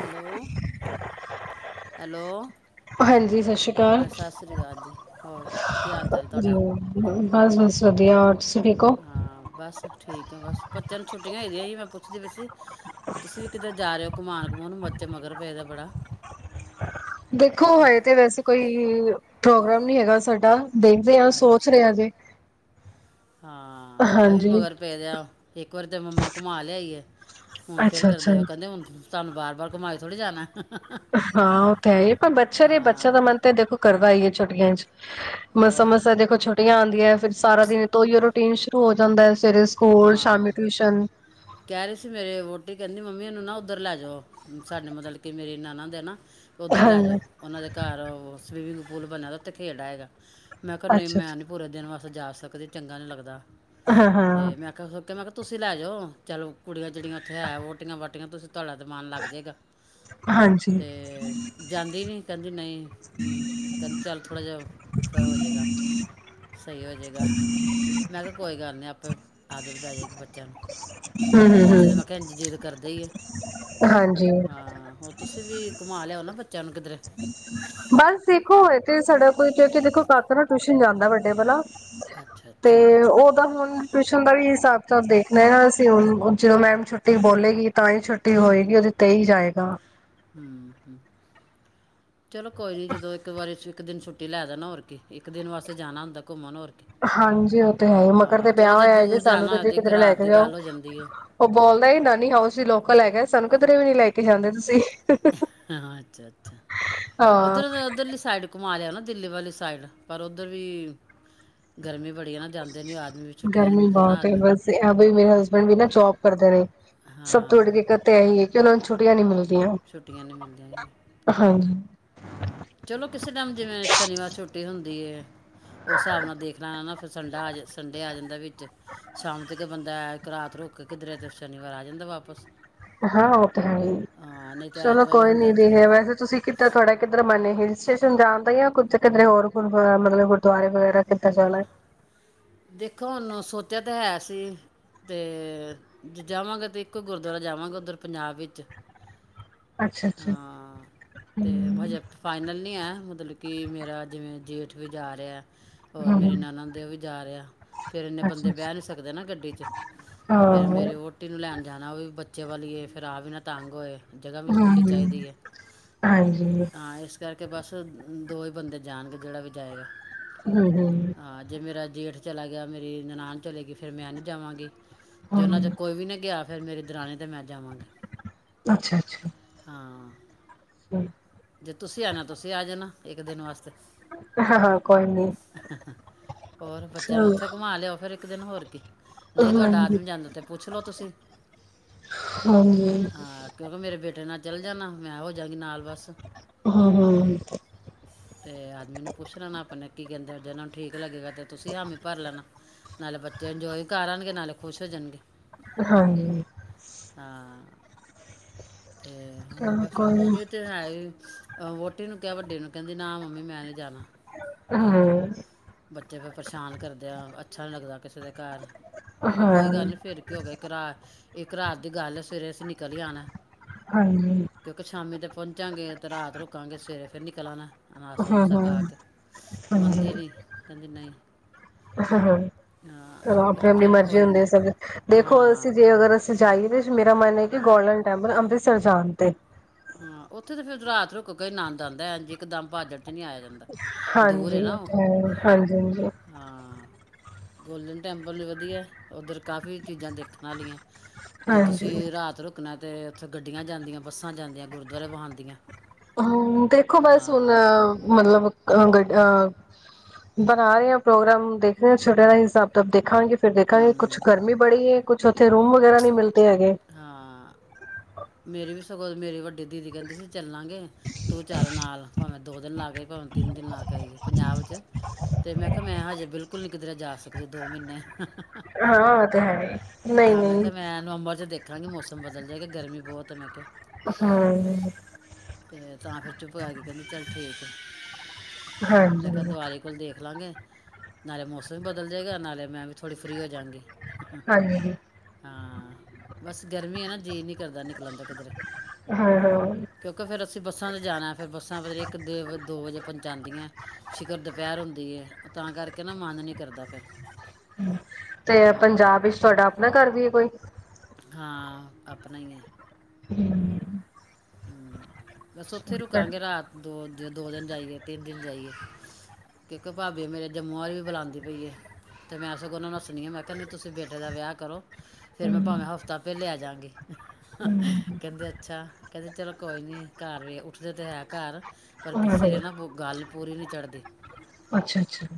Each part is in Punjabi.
ਹੈਲੋ, ਹੈਲੋ, ਹਾਂ ਸਤਿ ਸ਼੍ਰੀ ਅਕਾਲ ਜੀ। ਹੋਰ ਕੀ ਹਾਲ ਚਾਲ ਤੁਹਾਡਾ? ਬਸ ਬਸ ਵਧੀਆ। ਹਾਂ ਬਸ ਠੀਕ ਐ, ਬਸ ਬੱਚਿਆਂ ਨੂੰ ਛੁੱਟੀਆਂ ਹੈਗੀਆਂ ਸੀ। ਮੈਂ ਪੁੱਛਦੀ ਪਈ ਸੀ ਤੁਸੀਂ ਵੀ ਕਿੱਧਰ ਜਾ ਰਹੇ ਓ। ਘੁਮਾਉਣ ਕਮਉਣ ਬੱਚੇ ਮਗਰ ਪਏ ਦੇ ਬੜਾ। ਦੇਖੋ ਹਜੇ ਤੇ ਵੈਸੇ ਕੋਈ ਪ੍ਰੋਗਰਾਮ ਨਹੀਂ ਹੈਗਾ ਸਾਡਾ। ਅੱਛਾ, ਹਾਂ ਇਹ ਵੀ ਮਗਰ ਪਏ ਦੇ ਆ। ਇੱਕ ਇੱਕ ਵਾਰੀ ਤੇ ਮੰਮਾ ਘੁਮਾ ਲਿਆਈ ਏ। ਹੁਣ ਫਿਰ ਕਰਦੇ ਆ। ਕਹਿੰਦੇ ਹੁਣ ਤ ਤੁਹਾਨੂੰ ਵਾਰ ਵਾਰ ਘੁੰਮਾਈ ਥੋੜੀ ਜਾਣਾ ਹਾਂ ਉਹ ਤਾਂ ਹੈ ਹੀ ਪਰ ਬੱਚਾ ਬੱਚਾ ਦਾ ਮਨ ਤਾਂ ਦੇਖੋ ਕਰਦਾ ਹੀ ਹੈ ਛੋਟੀਆਂ ਚ ਮਸਾਂ ਮੱਸਾਂ ਦੇਖੋ ਛੋਟੀਆਂ ਆਉਂਦੀਆਂ ਫਿਰ ਸਾਰਾ ਦਿਨ ਤੋਂ ਹੀਓ ਰੂਟੀਨ ਸ਼ੁਰੂ ਹੋ ਜਾਂਦਾ ਹੈ ਹਾਂ ਕਹਿ ਰਹੇ ਸੀ ਮੇਰੇ ਵੋਟੀ ਕਹਿੰਦੀ ਮੰਮੀ ਉਹਨ ਨਾ ਉੱਧਰ ਲੈ ਜਾਓ ਸਾਡੇ ਮਤਲਬ ਕਿ ਮੇਰੇ ਨਨਾਂ ਦੇ ਨਾ ਉੱਧਰ ਲੈ ਜਾਓ ਉਹਨਾਂ ਦੇ ਘਰ ਸਵੀਮਿੰਗ ਪੂਲ ਬਣ ਦਾ ਉੱਥੇ ਖੇਡਦਾ ਹੈਗਾ ਮੈਂ ਕਿਹਾ ਨਹੀਂ ਮੈਂ ਨੀ ਪੂਰੇ ਦਿਨ ਅ ਜਾ ਸਕਦੇ ਚੰਗਾ ਨਹੀਂ ਲੱਗਦਾ ਤੇ ਮੈਂ ਆ ਸੋਿਆ ਮੈਂ ਕਿਹਾ [inaudible] ਤੁਸੀਂ ਲੈ ਜਾਓ ਚਲੋ ਕੁੜੀਆਂ ਜਿਹੜ ਉੱਥੇ ਹੈ ਵੋਟੀਆਂ ਵ ੀਆਂ ਤੁਸੀਂ ਤੁਹਾਡਾ ਦਿ ਮਾਨ ਲੱਗ ਜਾਵੇਗਾ ਅਤੇ ਜਾਂਦੀ ਨਹੀਂ ਕਹਿੰਦੀ ਨਹੀਂ ਕਹਿੰਦੀ ਚੱਲ ਥੋੜ੍ਹਾ ਜਿਹਾ ਹੋ ਜਾਵੇਗਾ ਸਹੀ ਹੋ ਜਾਵੇਗਾ ਮੈਂ ਕਿਹਾ ਕੋਈ ਗੱਲ ਨਹੀਂ ਆਪੇ ਆਦਤ ਪੈ ਜਾਏਗੀ ਬੱਚਿਆਂ ਨੂੰ ਬੱਚੇ ਤੇ ਮੈਂ ਕਿਹਾ ਇੰਝ ਜਿੱਦ ਕਰਦੇ ਹੀ ਆ ਹਾਂਜੀ ਤੁਸੀਂ ਵੀ ਘੁਮਾ ਲਿਆਓ ਨਾ ਬੱਚਿਆਂ ਨੂੰ ਕਿਧਰੇ ਬਸ ਦੇਖੋ ਹੋਏ ਤੇ ਸਾਡਾ ਕੋਈ ਦੇਖੋ ਕ ਨਾ ਟਿਊਸ਼ਨ ਜਾਂਦਾ ਵੱਡੇ ਭਲਾ ਤੇ ਉਹਦਾ ਹੁਣ ਟਿਊਸ਼ਨ ਦਾ ਵੀ ਹਿਸਾਬ ਕਿ ਦੇਖਣਾ ਨਾ ਅਸੀਂ ਹੁਣ ਜਦੋਂ ਮੈਮ ਛੁੱਟੀ ਬੋਲੇਗੀ ਤਾਂ ਹੀ ਛੁੱਟੀ ਹੋਏਗੀ ਉਹਦੇ ਤੇ ਹੀ ਜਾਏਗਾ ਹਮ ਹਮ ਚਲੋ ਕੋਈ ਨੀ ਜਦੋਂ ਇੱਕ ਵਾਰੀ ਇੱਕ ਦਿਨ ਛੁੱਟੀ ਲੈ ਦੇ ਨਾ ਹੋਰ ਕੀ ਇੱਕ ਦਿਨ ਵਾਸਤੇ ਜਾਣਾ ਹੁੰਦਾ ਹਾਂਜੀ ਉਹ ਤੇ ਹੈ ਹੀ ਮਗਰ ਤੇ ਵਿਆਹ ਹੋਇਆ ਹੈ ਜ ਸਾਨੂੰ ਕਿਧ ਕਿਧਰੇ ਲੈ ਕੇ ਜਾਓ ਉਹ ਬੋਲਦਾ ਹੀ ਨਾਨੀ ਹਾਊਸ ਵੀ ਲੋਕਲ ਹੈਗਾ ਸਾਨੂੰ ਕਿਧਰੇ ਵੀ ਨੀ ਲੈ ਕੇ ਜਾਂਦੇ ਤੁਸੀਂ ਹਾਂ ਅੱਛਾ ਅੱਛਾ ਉੱਧਰ ਉੱਧਰਲੀ ਸਾਈਡ ਕੋ ਾਰਿਆ ਨਾ ਦਿੱਲੀ ਵਾਲੀ ਸਾਈਡ ਪਰ ਉੱਧਰ ਵੀ ਗਰਮੀ ਗਰਮੀ ਬਹੁਤ ਹੈ ਬਸ ਅ ਮੇਰੇ ਹਸਬੈਂਡ ਵੀ ਨਾ ਜੋਬ ਕਰਦੇ ਰਹੇ ਸਭ ਥੋੜੀ ਦਿੱਕਤ ਤਾਂ ਇਹੀ ਹੈ ਕਿ ਉਹ ਛੁੱਟੀਆਂ ਨ ਮਿਲੀਆਂ ਛੁੱਟੀਆਂ ਨੂੰ ਮਿਲ ਜਾ ਹਾਂ ਚਲੋ ਕਿਸੇ ਟਾਈਮ ਜਿਵੇਂ ਸ਼ਨੀਵਾਰ ਛੁੱਟੀ ਹੁੰਦੀ ਦੀ ਹੈ ਉਸ ਹਿਸਾਬ ਨਾਲ ਦੇਖਣਾ ਫਿਰ ਸੰਡਾ ਆ ਜਾ ਸੰਡੇ ਆ ਜਾਂਦਾ ਵਿੱਚ ਸ਼ਾਮ ਤੇ ਬੰਦਾ ਇੱਕ ਰਾਤ ਰੁਕ ਕਿਧਰੇ ਤੋਂ ਸ਼ਨੀਵਾਰ ਆ ਜਾਂਦਾ ਵਾਪਸ ਹਾਂ ਉਹ ਤਾਂ ਹੈਾਂ ਚਲੋ ਕੋਈ ਨੀ ਰਹੇ ਵੈਸੇ ਤੁਸੀਂ ਕਿੱਧਰ ਤੁਥਹਾਡਾ ਕਿੱਧਰ ਬਨ ਹੀ ਸਟੇਸ਼ਨ ਜਾਣਦਾ ਜਾਂ ਕੁੱਝ ਕਿਧ ਹੋਰ ਹੋ ਮਤਲਬ ਗੁਰਦੁਆਰੇ ਵਗੈਰਾ ਕਿੱਧਰ ਜਾਣਾ ਦੇਖੋ ਉਹਨੂੰ ਸੋਚਿਆ ਤਾਂ ਹੈ ਸੀ ਤੇ ਜ ਜਾਵਾਂਗੇ ਤਾਂ ਇੱਕੋ ਗੁਰਦੁਆਰਾ ਜਾਵਾਂਗੇ ਉੱਧਰ ਪੰਜਾਬ ਵਿੱਚ ਹਾਂ ਤੇ ਹਜੇ ਫਾਈਨਲ ਨੀ ਆ। ਮਤਲਬ ਕਿ ਮੇਰਾ ਜਿਵੇਂ ਜੇਠ ਵੀ ਜਾ ਰਿਹਾ। ਹੋਰ ਮੇਰੀ ਨੰਦ ਦੇਓ ਵੀ ਜਾ ਰਿਹਾ ਫੇਰ ਇਨੇ ਬੰਦੇ ਬਹਿ ਨੀ ਸਕਦੇ ਨਾ ਗੱਡੀ ਚ ਫੇਰ ਮੇਰੀ ਵੋਟਿ ਨੂੰ ਲੈਣ ਜਾਣਾ ਉਹ ਵੀ ਬੱਚ ਬ ਵਲੀਏ ਫਿਰ ਆ ਵੀ ਨਾ ਤੰਗ ਹੋਏ। ਹੂੰ ਹਾਜੀ, ਇਸ ਕਰਕੇ ਬਸ ਦੋ ਹੀ ਬੰਦੇ ਜਾਣਗੇ, ਜਿਹੜਾ ਵੀ ਜਾਏਗਾ। ਹੂੰ-ਹੂੰ, ਜੇਠ ਚਲਾ ਗਿਆ ਮੇਰੀ ਨਨਾਣ ਚਲੇ ਗਈ ਫਿਰ ਮੈਂ ਨਹੀਂ ਜਾਵਾਂਗੀ। ਜੇ ਉਹਨਾ ਚ ਕੋਈ ਵੀ ਨਾ ਗਿਆ। ਫਿਰ ਮੇਰਿ ਦਰਾਣੀ ਤੇ ਮੈਂ, ਅੱਛਾ-ਅੱਛਾ, ਹਾਂ, ਜੀ, ਜੇ ਤੁਸੀਂ ਆਣਾ ਤੁਸੀਂ ਆ ਜਾਣਾ ਇੱਕ ਦਿਨ ਵਾਸਤੇ, ਹੋਰ ਬੱਚਿਆਂ ਨੂੰ ਉੱਥੇ ਘੁਮਾ ਲਿਓ ਫੇਰ, ਇੱਕ ਦਿਨ ਹੋਰ ਕੇ, ਨਹੀਂ ਤੁਹਾਡਾ ਆਦਮੀ ਜਾਂਦਾ ਤੇ ਪੁੱਛ ਲੋੋ ਤੁਸੀਂ ਹਾਂ ਕਿਉਂਕਿ ਮੇਰੇ ਬੇਟੇ ਨਾਲ ਚੱਲ ਜਾਣਾ ਮੈਂ ਹੋਜਾਗੀ ਨਾਲ ਬਸ, ਤੇ ਆਦਮੀ ਨੂੰ ਪੁੱਛ ਲੈਣਾ ਆਪਣੇ, ਕੀ ਕਹਿੰਦਾ ਜਿ ਨਾਲ ਠੀਕ ਲਗੇਗਾ ਤੁਸੀਂ ਹਾਮੀ ਭਰ ਲੈਣਾ। ਨਾਲੇ ਬੱਚੇ ਇੰਜੋਏ ਘਰ ਆਉਣਗੇ, ਨਾਲੇ ਖੁਸ਼ ਹੋ ਜਾਣਗੇ। ਹਾਂਜੀ, ਤੇ ਹੋਰ ਬਸ ਉਹਨਾ ਦੇ ਤੇ ਹੈ ਹੀ। ਅ ਵੋਟੀ ਨੂੰ ਕਿਹਾ ਵੱਡੇ ਨੂੰ ਕਹਿੰਦੀ ਨਾ ਮੰਮੀ ਮੈਂ ਨੀ ਜਾਣਾ। ਹਾਂ, ਬੱਚੇ ਫਿਰ ਪਰੇਸ਼ਾਨ ਕਰਦੇ ਆ ਅੱਛਾ ਨੀ ਲੱਗਦਾ ਕਿਸੇ ਦੇ ਘਰ ਮੈਂ ਕਿਹਾ ਕੋਈ ਗੱਲ ਨੀ ਫੇਰ ਕੀ ਹੋ ਗਿਆ ਕਰਾ। ਇੱਕ ਰਾਤ ਦੀ ਗੱਲ ਸਵੇਰੇ ਅਸੀ ਨਿਕਲ ਹੀ ਅਣਾ ਕਿਉਂਕਿ ਸ਼ਾਮੀ ਦਾ, ਪਹੁੰਚਾਂਗੇ ਅਤੇ ਰਾਤ ਰੁਕਾਂਗੇ ਸਵੇਰੇ ਫਿਰ ਨਿਕਲ ਆ ਨਾ, ਹਾਂ-ਹਾਂ ਹਾਂਜੀ ਆਪਣੀ ਆਪਣੀ ਮਰਜੀ ਹੁੰਦੇ ਸਭ ਦੇਖੋ, ਅਸੀਂ ਜੇ ਅਗਰ ਅਸੀਂ ਜਾਈਏ ਤਾਂ ਮੇਰਾ ਮਨ ਹੈ ਕਿ ਗੋਲਡਨ ਟੈਂਪਲ ਅੰਮ੍ਰਿਤ ਸਰ ਜਾਣ ਤੇ, ਹਾਂ, ਉੱਥੇ ਤੇ ਫਿਰ ਰਾਤ ਰੁੱਕ ਕੇ ਆਨੰਦ ਆਦਾ ਐ ਇੱਕ ਦਮ ਭਾਜੜ ਚ ਨੀ ਆਇਆ ਜਾਂਦਾ। ਹਾਂਜੀ ਹੈ ਹਾਂਜੀ ਹਾਂਜੀ ਗੋਲਡਨ ਟੈਂਪਲ ਵੀ ਵਧੀਆ ਉੱਧਰ ਕਾਫ਼ੀ ਚੀਜ਼ਾਂ ਦੇਖਣ ਵਾਲੀਆਂ ਜੇ ਤੁਸੀਂ ਰਾਤ ਰੁਕਣਾ ਤੇ ਉੱਥੇ ਗੱਡੀਆਂ ਜਾਂਦੀਆਂ ਬੱਸਾਂ ਜਾਂਦੀਆਂ ਗੁਰਦੁਆਰੇ ਬਉਦੀਆਂ ਦੇਖੋ ਬਸ ਹੁਣ ਮਤਲਬ ਅ ਬਣਾ ਰਹੇ ਹ ਪ੍ਰੋਗਰਾਮ ਦੇਖ ਰਹੇ ਛੋਟੇ ਦਾ ਹਿਸਾਬ ਤੋਂ ਦੇਖਾਂਗੇ ਫਿਰ ਦੇਖਾਂਗੇ ਕੁਛ ਗਰਮੀ ਬੜੀ ਹੈ ਕੁਛ ਉੱਥੇ ਰੂਮ ਵਗੈਰਾ ਨਹੀਂ ਮਿਲਦੇ ਹੈਗੇ ਕੋ ਮਰੀ ਵੱਡੀ ਦੀਦੀ ਕਹਿੰਦੀ ਸੀ ਚੱਲਾਂਗੇ ਤੂੰ ਚੱਲ ਨਾਲ ਭਾਵੇਂ ਦੋ ਦਿਨ ਲਗਾਏ ਭਾਵੇ ਤਿੰਨ ਦਿਨ ਲਾਏ ਕਰਏ ਪੰਜਾਬ 'ਚ ਤੇ ਮੈਂ ਕਿਹਾ ਮੈਂ ਹਜੇ ਬਿਲਕੁਲ ਨੀ ਕਿਧਰੇ ਜਾ ਸਕਦੀ ਦੋ ਮਹੀਨੇ ਤਾਂ ਮੈਂ ਕਿਹਾ ਮੈਂ ਨਵੰਬਰ ਚ ਦੇਖਾਂਗੀ ਮੌਸਮ ਬਦਲ ਜਾਏਗਾ ਗਰਮੀ ਬਹੁਤ ਮੈਂ ਕਿਹਾ ਤੇ ਤਾਂ ਫਿਰ ਚੁੱਪ ਕੇ ਕਹਿੰਦੀ ਚੱਲ ਠੀਕ ਆ ਮੈਂ ਕਿਹਾ ਦਵਾਈ ਕੋਲ ਦੇਖ ਲਾਂਗੇ ਨਾਲੇ ਮੌਸਮ ਵੀ ਬਦਲ ਜਾਏਗਾ ਨਾਲੇ ਮੈਂ ਵੀ ਥੋੜੀ ਫਰੀ ਹੋ ਜਾਗੀ ਥੋੜੀ ਹਾਂ ਬਸ ਗਰਮੀ ਆ ਨਾ ਜੀਅ ਨੀ ਕਰਦਾ ਨ [unintelligible] ਫਿਰ ਅਸੀਂ ਬੱਸਾਂ ਚ ਜਾਣਾ ਫਿਰ ਬੱਸਾਂ ਵਤ ਇੱਕ ਦੋ ਵਜੇ ਪਹੁੰਚਾਉਂਦੀਆਂ ਸ਼ਿਕਲ ਦੁਪਹਿਰ ਹੁੰਦੀ ਹੈ ਉਹ ਤਾਂ ਕਰਕੇ ਨਾ ਮਨ ਨ ਕਰਦਾ ਫਿਰ ਤੇ ਪੰਜਾਬ ਵਿੱਚ ਤੁਹਾਡਾ ਆਪਣਾ ਘਰ ਵੀ ਹੈ ਕੋਈ ਹਾਂ ਆਪਣਾ ਹੀ ਹੈ [inaudible] [inaudible] ਬਸ ਉੱਥੇ ਰੁਕਾਂਗੇ ਰਾਤ ਦੋ ਜ ਦੋ ਦਿਨ ਜਾਈਏ ਤਿੰਨ ਦਿਨ ਜਾਈਏ ਕਿਉਂਕਿ ਭਾਬੀ ਮੇਰੇ ਜੰਮੂ ਵ ਵੀ ਬੁਲਾਉਂਦੀ ਪਈਏ ਅਤੇ ਮੈਂ ਸ ਉਹਨਾਂ ਨੂੰ ਨੱਸਣੀ ਹਾਂ ਮੈਂ ਕਿਹਾ ਨਹੀਂ ਤੁਸੀਂ ਬੇਟੇ ਦਾ ਵਿਆਹ ਕਰੋ ਫੇਰ ਮੈਂ ਭਾਵੇਂ ਹਫ਼ਤਾ ਪੇ ਲੈ ਆ ਜੰਗੀ ਕਹਿੰਦੇ ਅੱਛਾ ਕਹਿੰਦੇ ਚਲੋ ਕੋਈ ਨਹੀਂ ਘਰ ਵੀ ਉੱਠਦੇ ਤਾਂ ਹੈ ਘਰ ਪਰ ਕਿਸੇ ਨੇ ਨਾ ਗੱਲ ਪੂਰੀ ਨਹੀਂ ਚੜ੍ਹਦੀ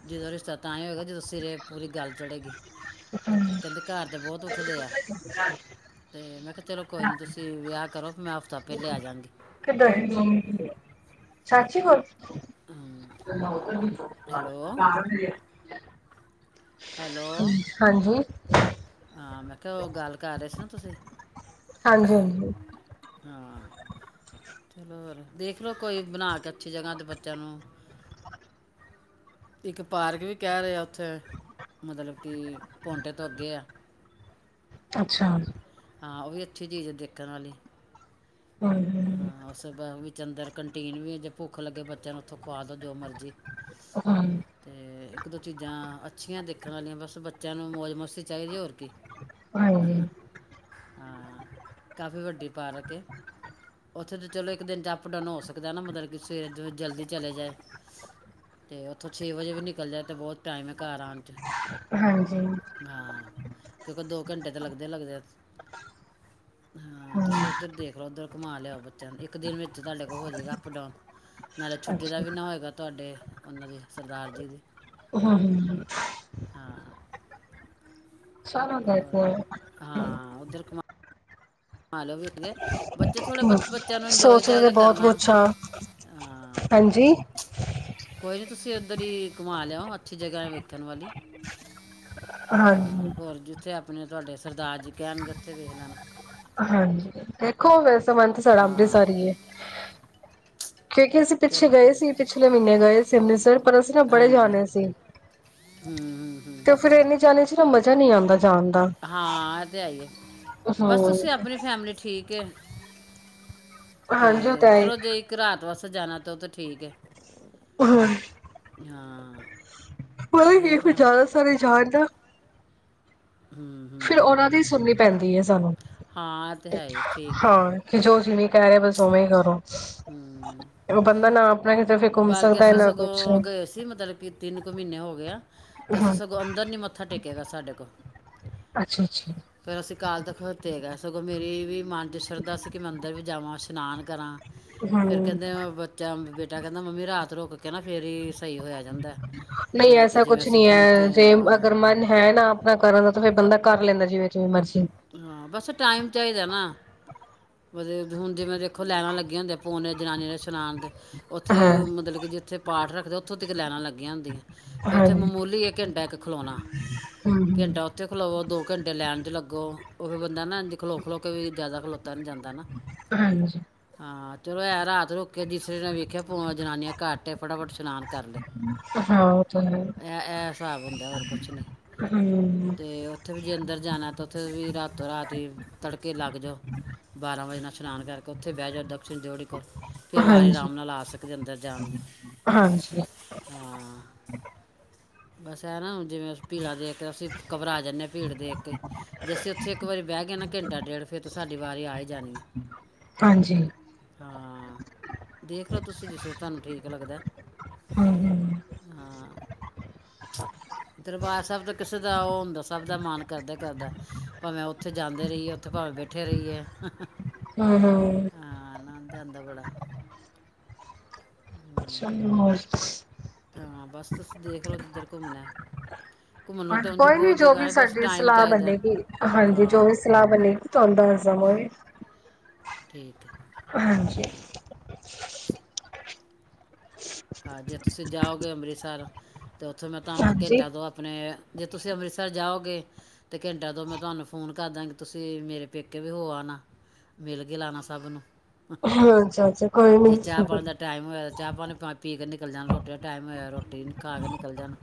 ਜਦੋਂ ਰਿਸ਼ਤਾ ਤਾਂ ਹੀ ਹੋਏਗਾ ਜਦੋਂ ਸਿਰੇ ਪੂਰੀ ਗੱਲ ਚੜ੍ਹੇਗੀ ਕਹਿੰਦੇ ਘਰ ਦੇ ਬਹੁਤ ਉੱਠਦੇ ਆ [unintelligible] ਅਤੇ ਮੈਂ ਕਿਹਾ ਚਲੋ ਕੋਈ ਨਹੀਂ ਤੁਸੀਂ ਵਿਆਹ ਕਰੋ ਮੈਂ ਹਫ਼ਤਾ ਪਹਿਲੇ ਆ ਜਾਂ ਗੀਂ ਸਾਚੀ ਹੋਰ ਕਾਰ ਹਾਂਜੀ ਹਾਂ ਮੈਂ ਕਿਹਾ ਉਹ ਗੱਲ ਕਰ ਰਹੇ ਸੀ ਨਾ ਤੁਸੀਂ ਹਾਂਜੀ ਹਾਂਜੀ ਚਲੋ ਹੋਰ ਦੇਖਲੋ ਕੋਈ ਬਣਾ ਕੇ ਅੱਛੀ ਜਗ੍ਹਾ ਤੇ ਬੱਚਿਆਂ ਨੂੰ ਇੱਕ ਪਾਰਕ ਵੀ ਕਹਿ ਰਹੇ ਆ ਉੱਥੇ ਮਤਲਬ ਕਿ ਪੌਂਡੇ ਤੋਂ ਅੱਗੇ ਆ ਅੱਛਾ ਹਾਂ ਉਹ ਵੀ ਅੱਛੀ ਚੀਜ਼ ਹੈ ਦੇਖਣ ਵਾਲੀ ਹਾਂ ਉਸ ਬਾ ਵਿੱਚ ਅੰਦਰ ਕੰਟੀਨ ਵੀ ਹੈ ਜੇ ਭੁੱਖ ਲੱਗੇ ਬੱਚਿਆਂ ਨੂੰ ਉੱਥੋਂ ਖਵਾ ਦਿਉ ਜੋ ਮਰਜ਼ੀ ਅਤੇ ਇੱਕ ਦੋ ਚੀਜ਼ਾਂ ਅੱਛੀਆਂ ਦੇਖਣ ਵਾਲੀਆਂ ਬਸ ਬੱਚਿਆਂ ਨੂੰ ਮੌਜ ਮਸਤੀ ਚਾਹੀਦੀ ਹੋਰ ਕੀ ਹਾਂ ਕਾਫ਼ੀ ਵੱਡੀ ਪਾਰਕ ਹੈ ਉੱਥੇ ਤਾਂ ਚਲੋ ਇੱਕ ਦਿਨ 'ਚ ਅਪ ਡਾਊਨ ਹੋ ਸਕਦਾ ਨਾ ਮਤਲਬ ਕਿ ਸਵੇਰੇ ਜਲਦੀ ਚਲੇ ਜਾਏ ਅਤੇ ਉੱਥੋਂ ਛੇ ਵਜੇ ਵੀ ਨਿਕਲ ਜਾਏ ਅਤੇ ਬਹੁਤ ਟਾਈਮ ਹੈ ਘਰ ਆਉਣ 'ਚ ਹਾਂ ਕਿਉਂਕਿ ਦੋ ਘੰਟੇ ਤਾਂ ਲੱਗਦੇ ਲੱਗਦੇ ਹਾਂ ਤੁਸੀਂ ਉੱਧਰ ਦੇਖ ਲੋ ਉੱਧਰ ਘੁਮਾ ਲਓ ਬੱਚਿਆਂ ਇੱਕ ਦਿਨ ਵਿੱਚ ਤੁਹਾਡੇ ਕੋਲ ਹੋ ਜਾਏਗਾ ਅਪ ਡਾਊਨ ਨਾਲੇ ਛੁੱਟੀ ਦਾ ਵੀ ਨਾ ਹੋਏਗਾ ਤੁਹਾਡੇ ਉਹਨਾਂ ਦੀ ਸਰਦਾਰ ਜੀ ਦੀ ਹਮ ਹਮ ਹਮ [unintelligible] ਮ ਲਓ ਵੀ ਅਗੇ ਸੋਚਦੇ ਤੇ ਬਹੁਤ ਕੁਛ ਹਾਂ ਹਾਂਜੀ ਕੋਈ ਨੀ ਤੁਸੀਂ ਉਧਰ ਹੀ ਘੁੰਮਾ ਲਿਆਓ ਅੱਛੀ ਜਗ੍ਹਾ ਵੇਖਣ ਵਾਲੀ ਹਾਂਜੀ ਆਪਣੇ ਤੁਹਾਡੇ ਸਰਦਾਰ ਜੀ ਕਹਿਣਗੇ ਉੱਥੇ ਵੇਖ ਲੈਣਾ ਹਾਂਜੀ ਦੇਖੋ ਵੈਸ ਮਨ ਤੇ ਸਾਡਾ ਅੰਮ੍ਰਿਤਸਾਰੀ ਹੈ ਕਿਉਂਕਿ ਅਸੀਂ ਪਿੱਛੇ ਗਏ ਸੀ ਪਿਛਲੇ ਮਹੀਨੇ ਗਏ ਸੀ ਅੰਮ੍ਰਿਤਸਰ ਪਰ ਅਸੀਂ ਨਾ ਬੜੇ ਜਾਣੇ ਸੀ ਤੇ ਫਿਰ ਇੰਨੇ ਜਾਣੇ ਸੀ ਨਾ ਮਜ਼ੇ ਮਜਾ ਨਹੀਂ ਆਉਂਦਾ ਹਾਂ ਇਹ ਤੇ ਆਈ ਆ [unintelligible] ਠੀਕ ਹੈ ਤੇ ਚਲੋ ਜੇ ਇੱਕ ਰਾਤ ਵਾਸਤੇ ਸਜਾਣਾ ਤੋਂ ਠੀਕ ਹੈ [unintelligible] ਹਾਂ ਪਤਾ ਕੀ [unintelligible] ਜ਼ਿਆਦਾ ਸਾਰੇ ਜਾਣਦਾ ਫਿਰ ਉਹਨਾਂ ਦੀ ਸੁਣਨੀ ਪੈਂਦੀ ਹੈ ਸਾਨੂੰ ਹਾਂ ਕਿ ਜੋ ਜਿਵੇਂ ਕਹਿ ਰਹੇ ਬਸ ਉਵੇਂ ਕਰੋ ਹਮ ਬਾਲਕ ਅਸੀਂ ਸਗੋਂ ਗਏ ਸੀ ਮਤਲਬ ਕੀ ਤਿੰਨ ਮਹੀਨੇ ਹੋ ਗਿਆ ਤੇ ਅਸੀਂ ਸਗੋਂ ਅੰਦਰ ਨੀ ਮੱਥਾ ਟੇਕੇਗਾ ਸਾਡੇ ਕੋਲ ਫਿਰ ਅਸੀਂ ਅਕਾਲ ਤਖ ਤੇਗਾ ਸਗੋਂ ਮੇਰੀ ਵੀ ਮਨ ਤੇ ਸ਼ਰਧ ਸੀ ਕਿ ਮੈਂ ਅੰਦਰ ਵੀ ਜਾਵਾਂ ਇਸ਼ਨਾਨ ਕਰਾਂ ਫਿਰ ਕਹਿੰਦੇ ਬੱਚਾ ਬੇਟਾ ਕਹਿੰਦਾ ਮੰਮੀ ਰਾਤ ਰੁਕ ਕੇ ਨਾ ਫ਼ੇਰ ਹੀ ਨਹੀਂ ਐਸਾ ਕੁਛ ਨਹੀਂ ਹੈ ਜੇ ਅਗਰ ਮਨ ਹੈ ਨਾ ਆਪਣਾ ਕਰਨ ਦਾ ਤਾਂ ਫਿਰ ਬੰਦਾ ਕਰ ਲੈਂਦਾ ਜਿਵੇ ਜਿਵੇਂ ਮਰੀ ਹਾਂ ਬਸ ਟਾਈਮ ਚਾਹੀਦਾ ਨਾ ਤਬ ਹੁਣ ਜਿਵੇਂ ਦੇਖੋ ਲਾਈਨਾਂਾਂ ਲੱਗੀਆਂ ਹੋਦੀਆਂ ਫੋਨ ਜਨਾਨੀਆਂ ਨੇ ਚਲਾਨ ਦੇ ਉੱਥੇ ਮਤਲਬ ਕਿ ਜਿੱਥੇ ਪਾਠ ਰੱਖ ਫਿਰ ਉੱਥੋਂ ਤ ਲੈ ਲੱਗੀਆਂ ਹੁੰਦੀਆਂ ਫਿਰ ਉੱਥੇ ਮਾਮੂਲੀ ਘੰਟਾ ਇੱਕ ਖਲੋਣਾ ਘੰਟਾ ਉੱਥੇ ਖਲੋਆ ਦੋ ਘੰਟੇ ਲੈਣ ਲੱਗਾ ਅੱਗੋਂ ਉਹ ਫਿਰ ਬੰਦਾ ਨਾ ਖਲੋ ਖਲੋ ਕੇ ਵੀ ਜਿਆਦਾ ਖਲੋਤਾ ਨੀ ਜਾਂਦਾ ਨਾ ਹਾਂਜੀ ਹਾਂ ਚਲੋ ਐਂ ਰਾਤ ਰੁਕੇ ਕੇ ਤੀਸਰੀ ਨਾਲ ਵੇਖਿਆ ਪ ਜਨਾਨੀਆਂ ਘੱਟੇ ਫਟਾਫਟ ਇਸ਼ਨਾਨ ਇਹ ਹਿਸਾਬ ਹੁੰਦਾ ਹੋਰ ਕੁਛ ਨੀ ਤੇ ਉੱਥੇ ਵੀ ਜੇ ਅੰਦਰ ਜਾਣਾ ਤਾਂ ਵੀ ਰਾਤੋਂ -ਰਾਤ ਹੀ ਤੜਕੇ ਲੱਗ ਜਾਓ ਬਾਰਾਂ ਵਜੇ ਨਾਲ ਸ਼ਨਾਨ ਕਰਕੇ, ਉੱਥੇ ਬਹਿ ਜਾਓ ਦਕਿਣੀ ਦਿਓੜੀ ਕੋਲ ਫਿਰ ਵਾਰੀ ਆਰਾਮ ਨਾਲ ਆ ਸਕਦੇ, ਅੰਦਰ ਜਾਣ ਦੀ ਹਾਂ। ਬਸ ਹੈ ਨਾ, ਜਿਵੇਂ ਭਿੜਾ ਦੇਖ ਅਸੀਂ ਘਬਰਾ ਜਾਂਦੇ ਹ ਭੀੜ ਇੱਕ ਜੇ ਅਸੀੇ ਉੱਥੇ ਇੱਕ ਵਾਰੀ ਬਹਿ ਗਿਆ ਨਾ ਘੰਟਾ ਡੇਢ, ਫਿਰ ਸਾਡੀ ਵਾਰੀ ਆ ਹੀ ਜਾਣੀ ਆ। ਹਾਂਜੀ। ਹਾਂ ਦੇਖ ਲੋ ਤੁਸੀਂ, ਜਿਸਰਾਂ ਤੁਹਾਨੂੰ ਠੀਕ ਲੱਗਦਾ। ਹਾਂ ਦਰਬਾਰ ਸਾਇਬ ਤਾਂ ਕਿਸੇ ਦਾ, ਉਹ ਹੁੰਦਾ ਸਭ ਦਾ ਮਨ ਕਰਦਾ ਕਰਦਾ ਭਾਵੇਂ ਉੱਥੇ ਜਾਂਦੇ ਰਹੀਏ, ਉੱਥੇ ਭਾਵੇਂ ਬੈਠੇ ਰਹੀਏ ਹਮ ਹਮ ਦ ਆਉਦਾ ਬੜਾ [inaudible] ਸਰ [inaudible] ਹਾਂ ਬਸ ਤੁਸੀ ਦੇਖ ਲਓ, ਜਿੱਧਰ ਘੁੰਮਣਾ ਹਾਂ ਕੋਈ ਨੀ ਜੋ ਵੀ ਸਾਡੀ ਸਲਾਹ ਬਣੇਗੀ, ਹਾਂਜੀ ਜੋ ਵੀ ਸਲਾਹ ਬਣੇਗੀ ਤੁਹਾਨ ਦੱਸ ਦਵਾਂਗੇ। ਠੀਕ ਹਾਂਜੀ ਹਾਂ ਜੇ ਤੁਸੀਂ ਜਾਓਗੇ, ਅੰਮ੍ਰਿਤਸਰ। ਤੇੇ ਉੱਥੋਂ ਮੈਂ ਤੁਹਾਨੂੰ ਘੇਡਾ ਤੋਂ ਆਪਣੇ ਜੇ ਤੁਸੀਂ ਅੰਮ੍ਰਿਤਸਰ ਜਾਓਗੇ, ਤਾਂ ਘੰਟਿਆਂ ਤੋਂ ਮੈਂ ਤੁਹਾਨੂੰ ਫ਼ੋਨ ਕਰਦਾ ਕਿ, ਤੁਸੀਂ ਮੇਰੇ ਪੇਕੇ ਵੀ ਹੋ ਆ ਨਾ। ਮਿਲ ਕੇ ਆਉਣਾ ਸਭ ਨੂੰ। ਜੇ ਚਾਹ ਪਾਣੀ ਦਾ ਟਾਈਮ ਹੋਇਆ, ਤਾਂ ਚਾਹ ਪਾਣੀ ਨਿਕਲਣਾ ਰੋਟੀ ਦਾ ਟਾਈਮ ਹੋਇਆ ਰੋਟੀ [inaudible] ਰੋਟੀ ਖਾ ਕੇ, ਨਿਕਲ ਜਾਣਾ।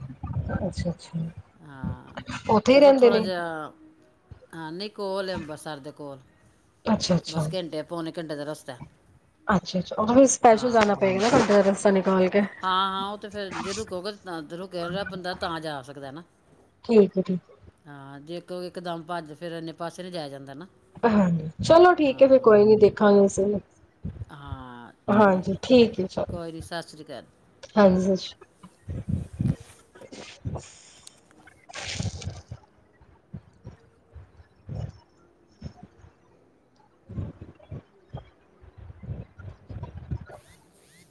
ਹਾਂ ਚਲੋ ਥੋੜ੍ਹਾ ਜਿਹਾ ਹਾਂ ਨੀ ਕੋਲ ਅੰਮਬਰਿਸਰ ਦੇ ਕੋਲ, ਬਸ ਘੰਟੇ ਪਉਣੇ ਇੱਕ ਘੰਟੇ ਦਾ ਰਸਤਾ ਹੈ ਹਾਂ -ਹਾਂ, ਹਾਂ ਉਹ ਤੇ ਫੇਰ ਜੇ ਰੁਕੋਗੇ, ਰੁਕ ਬੰਦਾ ਤਾਂ ਜਾ ਸਕਦਾ ਨਾ ਠੀਕ ਹੈ, ਠੀਕ। ਹਾਂ, ਜੇ ਇੱਕ -ਇੱਕ ਦਮ ਭੱਜ ਫਿਰੇ, ਇੰਨੇ ਪਾਸੇ ਨਹੀਂ ਜਾਇਆ ਜਾਂਦਾ ਹੈ ਨਾ ਚਲੋ ਠੀਕ ਹੈ, ਫਿਰ ਕੋਈ ਨੀ ਦੇਖਾਂਗੇ ਅੇ ਹਾਂਜੀ ਠੀਕ ਹੈ ਚਲੋ ਹਾਂਜੀ ਸ ਸ਼ [inaudible] [inaudible]